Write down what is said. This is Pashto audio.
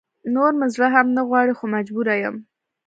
نور مې زړه هم نه غواړي خو مجبوره يم